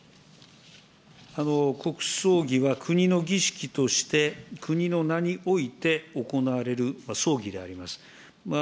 国葬儀は国の儀式として、国の名において行われる葬儀であります。